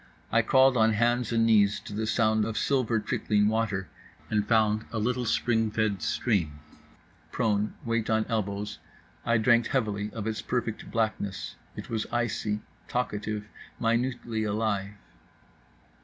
I crawled on hands and knees to the sound of silver trickling water and found a little spring fed stream. Prone, weight on elbows, I drank heavily of its perfect blackness. It was icy, talkative, minutely alive.